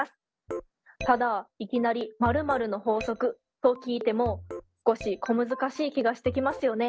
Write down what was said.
ただいきなり○○の法則と聞いても少し小難しい気がしてきますよね。